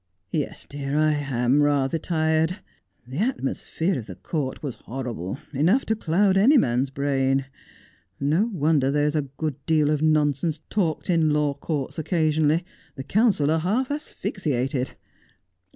' Yes, dear, I am rather tired. The atmosphere of the court was horrible, enough to cloud any man's brain. No wonder there is a good deal of nonsense talked in law courts occasionally. The counsel are half asphyxiated.